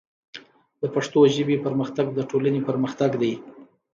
د پښتو ژبې پرمختګ د ټولنې پرمختګ دی.